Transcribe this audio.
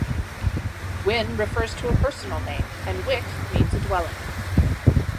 'Win' refers to a personal name and 'wic' means a dwelling.